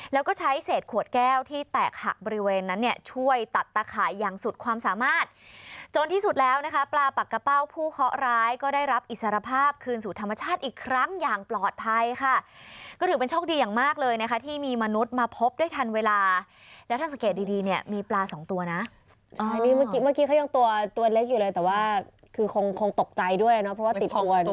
แล้วก็ใช้เศษขวดแก้วที่แตกหักบริเวณนั้นเนี่ยช่วยตัดตะขายอย่างสุดความสามารถจนที่สุดแล้วนะคะปลาปักกระเป้าผู้เคาะร้ายก็ได้รับอิสรภาพคืนสู่ธรรมชาติอีกครั้งอย่างปลอดภัยค่ะก็ถือเป็นโชคดีอย่างมากเลยนะคะที่มีมนุษย์มาพบด้วยทันเวลาแล้วท่านสังเกตดีเนี่ยมีปลาสองตัวนะเมื่อกี้